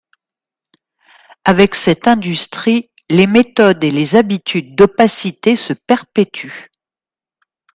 Avec cette industrie, les méthodes et les habitudes d’opacité se perpétuent.